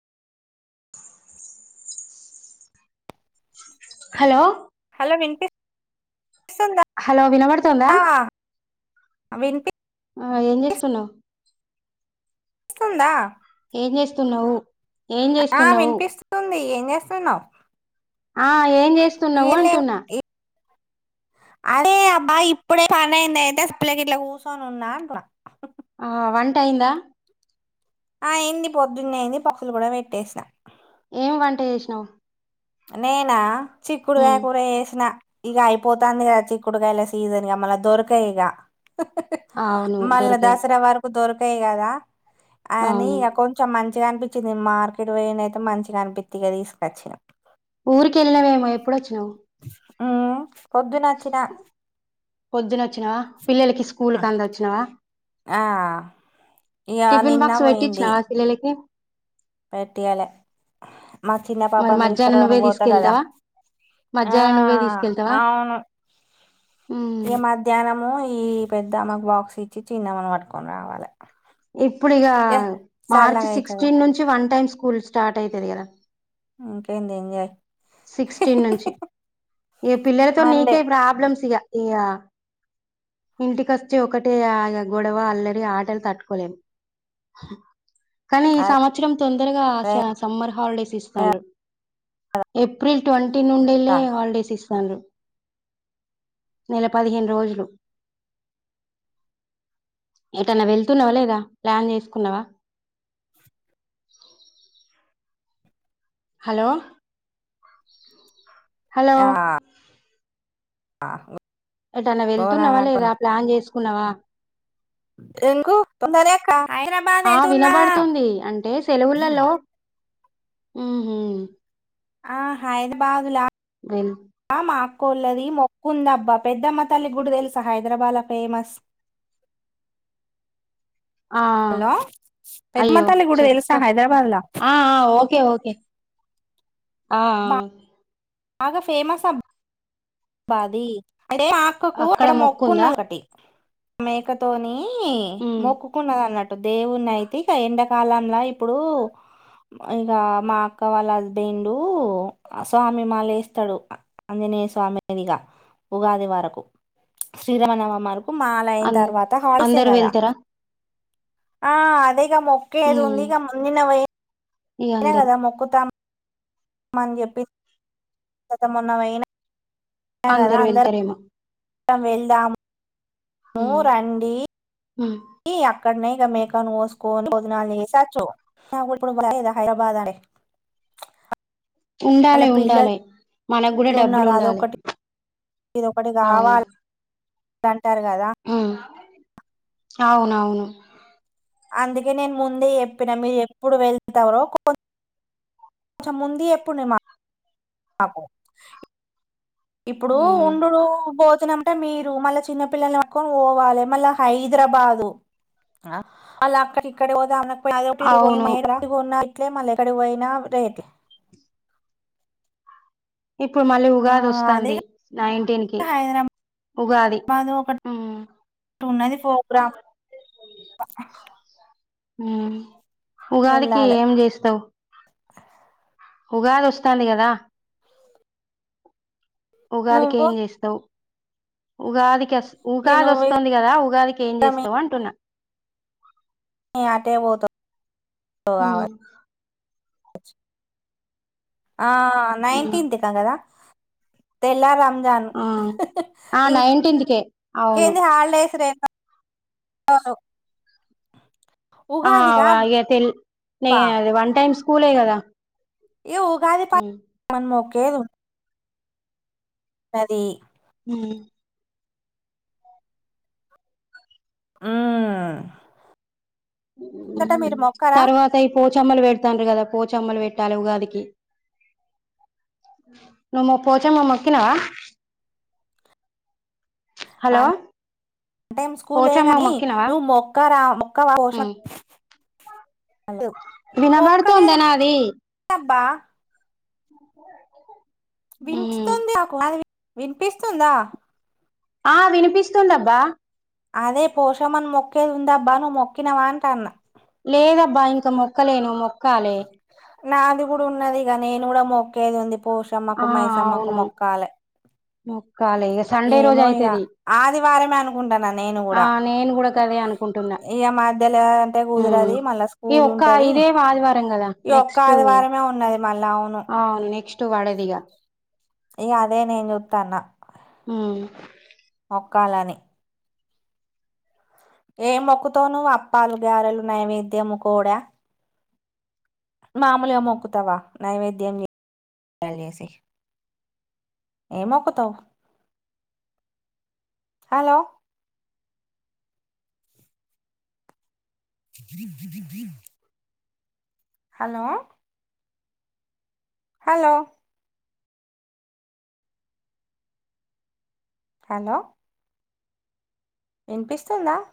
Hello వినిపీస్ hello వినపడుతోందా వినిపిస్ ఆ ఏం చేస్తున్నావు స్తుందా ఏం చేస్తున్నావు ఏం ఆ చేస్తున్నావు వినిపిస్తుంది ఏం చేస్తున్నావు హా ఏం చేస్తున్నావు ఏం లేవు అంటున్నా అదే అబ్బా ఇప్పుడే పని అయింది అయితే ప్లై ఇట్లా కూర్చొని ఉన్నా అన్న ఆ వంట అయిందా ఆ అయింది పొద్దున్నే అయింది పక్కలు కూడా పెట్టేసిన ఏం వంట చేసినావు నేనా చిక్కుడు కాయ ఉమ్ కూర చెసిన ఇగ అయిపోతంది కదా చిక్కుడుకాయల సీజన్ గా మళ్ళ దొరకాయి ఇగ అవును మళ్ళ దొరికాయి దసరా వరకు దొరక కయి కాదా అని అవును ఇగా కొంచం మం మంచిగానిపించింది మార్కెట్ వెయిన్ అయితే మంచిగా కనిపిితే ఇగ తీసుకొచ్చినం ఊరికి వెళ్ళినావేమో ఎప్పుడు వచ్చినవు్ ఆ పొద్దున వచ్చినవా పిల్లలకి స్కూల్ కి అందొచ్చినవా ఆ ఇగ టిఫిన్ నిన్న బాక్స్ పోయింది పెట్టించినావా పిల్లలకి పేట్టియ్యాలె మా చిన్న మరి పాపను మధ్యాహ్నం నువ్వే తీసుకురాాలని పోతా కదా తీసుకెళ్తావా ఆ మధ్యాహ్నం నువ్వే తీసుకెళ్తావా అవును ఉమ్ ఇగ మధ్యాహ్నము ఈ పెద్దమకు బాక్స్ ఇచ్చి చిన్నమని పట్టుకొని రావాలే ఇప్పుడు ఇగ మార్చ్ చల్లగా అయితది సిక్స్టీన్ నుంచి వన్ టైమ్స్ స్కూల్ స్టార్ట్ అయితది కదా ఇకేంది ఎంజాయ్ సిక్స్టీన్ నుంచి ఈ పిల్లలతో మండే నీకే ప్రాబ్లమ్స్ ఇగ ఇగ ఇంటికిొచ్చి ఒకటే గొడవ అల్లరి ఆటలు తట్టుకోలేము కానీ ఈ సంవత్సరం తొందరగా అదే సమ్మర్ హాలిడేస్ యిస్తాడ్రు ఏప్రిల్ ట్వంటీ నుండేలే గా హాలిడేస్ ఇస్త స్థాండ్రు నెల పదిహేను రోజులు ఏదన్నా వెళ్తున్నావా లేదా ప్లాన్ చేసుకున్నావా హలో హలో ఆ ఏట్ అనా వెళ్తున్నావా ఘోరంగా లేదా అనుకుంటా. ప్లాన్ చేసుకు పునవా [unintelligible] హైదరాబాద్ ఆ వెతున్నా హ్మ్ ఆహ్ ఆ హైద బాగులా వెల్ మా వాళ్ళది మొక్కుందబ్బా పెద్దమ్మ తల్లి గుడి తెలుసా హైదరాబాద్ల ఫేమస్ ఆ హలో పెద్దమ్మ అయ్యో తల్లి గుడి చెప్ప తెలుసా హైదరాబాద్ ల ఆ ఓకే ఓకే ఆ ఆ బాగా ఫేమస్ అబ్బ పది అదే మా ఆక్కకు అక్కడ మొక్కు ఉన్నది ఒకట్టి మేకతోని ని హ్మ్ మొక్కుకున్నదన్నట్టు దేవుని అయితే ఇక ఎండకాలంల ఇప్పుడు ఇక మా అక్క వాళ్ళ హస్బెండ్ స్వామి మాలేస్తాడు అంజనేయస్వామి ఏందీ ఇగ ఉగాది వరకు శ్రీరామనవమారు మాల అయిన అన్ తర్వాత హాయిసే అందరు కదా వెళ్తారా ఆ అదే మొక్కేది ఉంది హ్మ్ ఇక నిన్న పొయ్యి ఇగ అనే అందరు కదా మొక్కు తు రా ఎమ్ అని చెప్పి తమున్న పోయిన అందరు వెళ్తారేమో ఇక వెళ్దాం మూ హ్మ్ రండి హ్మ్ ఏయ అక్కడనే మేకాను కోసుకొని భోజనాలు చేసి వచ్చు ఇప్పుడు లేదా హైదరాబాద్ లో అయితే ఉండాలే ఉండాలే మనకు కూడా డబ్బులు ఉన్నారు ఉండాలే అదొకటి ఇదొకటి అవును కావాలి డన్ టారు కదా హ్మ్ అవునవును అందుకే నేను ముందే చెప్పిన మీరు ఎప్పుడు వెళ్తారో [unintelligible] కొంచెం ముందు చెప్పుండే మా ఆబ్బో ఇప్పుడు హ్మ్ ఉండుడు భోజనం టే మీరు మళ్ళా చిన్నపిల్లలని పట్టుకొని పోవాలే మళ్ళ హైదరా పోయి అదొకటి ఇదొకటి అవును [unintelligible] ఇలే మళ్ళెక్కడకుపోయిన రేటు ఇప్పుడు మళ్ళీ ఉగాది వస్తాంది నైన్టీన్ కి కదా హైదరాబాద్ ఉగాది ఒకటి ఉమ్మ్ ఉన్నది ప్రోగ్రామ్ ఉమ్ ఉగాదికి వెళ్ళాలి ఏం జేస్తవ్ ఉగాది వస్తాంది కదా ఉగాదికి నువ్వు ఏం జేస్తవ్ ఉగాది కస్ ఇగ ఉగాది నువ్వు ఇగ వస్తోంది కదా ఉగాదికి ఏం మీ జేస్తవ్ అంటున్నా [unintelligible] అటే పోత ఉమ్ ఆ హ్మ్ నైంటీంత్క్ క కదా తెల్లారం రాను ఇం ఆ ఆ [unintelligible] నైన్టీన్త్ కే అవును కేంది హాలిడేస్ రే [unintelligible] ఆ వాగే తెల్ అబ్బా వన్ టైమ్స్ కూలే గదా ఈ ఉగాది పా [unintelligible] మన్ముక్ కేదు అది ఉమ్మ్ ఉమ్మ్ తరువాత ఇయ్ పో చమ్మలు పెడుతాండ్రు కదా పోచమ్మలు పెట్టాలి ఉగాదికి నువ్వు పోచమ్మ మొక్కినవా హలో వన్ [unintelligible] టైం స్కూలే పోచమ్మ కానీ మొక్కినవా నువ్ మొక్కరా మొక్కవ పోష [unintelligible] అద్దు వినబడుతుంద నాది వినిపిస్తుంది నాకు నాది వినిపిస్తుందా ఆ వినిపిస్తుందబ్బా అదే పోశమ్మన్ మొక్కేదుందబ్బా నువ్ మొక్కినవా అంటన్న లేదబ్బా ఇంకా మొక్కలేను మొక్ క్కాలే నాది గూడ ఉన్నది ఇగ నేను గూడ మొక్కేది ఉంది పోషమ్మకు ఆ మైసమ్మకు అవును మొక్కాలే మొక్కాలే ఇగ సండే రోజు ఏమో ఇగ అయితది ఆదివారమే అనుకుంటన్నా నేను ఆ గుడా నేను కూడా గదే అనుకుంటున్నా ఇగ మధ్యల అంటే కుదరది మళ్ళా స్కూల్ ఉంటది రం కదా ఈ ఒక్క నెక్స్ట్ ఆదివారమే ఉన్నది మళ్ళా అవును ఆ నెక్స్ట్ వడద్ ఇగా ఇక అదే నేను చూస్తాన్న హు కాలాని ఏ మొక్కుతావు నువ్వు అప్పాలు గారెలు నైవేద్యము కోడా మామూలుగా మొక్కుతావా నైవేద్యం చేసి ఏ మొక్కుతావు హలో ఆ హలో హలో హలో వినిపిస్తుందా